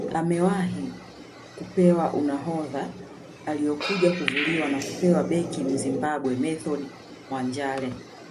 Amewahi kupewa unahodha aliokuja kuvuliwa na kupewa beki Mzimbabwe Method Mwanjale